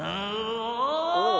おお。